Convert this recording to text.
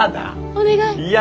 お願い！